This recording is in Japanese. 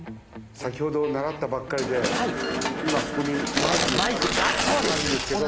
先ほど習ったばっかりで今ここにマイクのマークがあるんですけど。